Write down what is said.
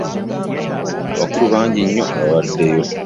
Abakulu bangi nnyo abaabaddeyo.